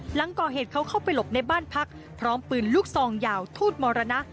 หลังก่อเหตุเขาเข้าไปหลบในบ้านพักพร้อมปืนลูกซองยาวทูตมรณะ